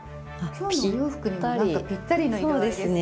今日のお洋服にもなんかぴったりの色合いですね。